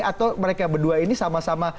atau mereka berdua ini sama sama